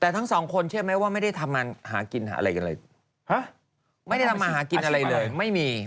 โหเยอะไปไหมอะ